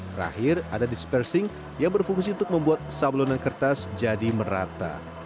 terakhir ada dispersing yang berfungsi untuk membuat sablonan kertas jadi merata